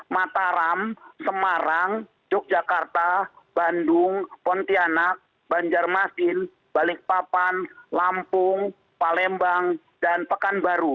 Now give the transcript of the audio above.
mataram semarang yogyakarta bandung pontianak banjarmasin balikpapan lampung palembang dan pekanbaru